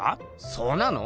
そうなの？